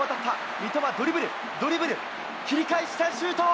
三笘、ドリブル、ドリブル、切り返した、シュート！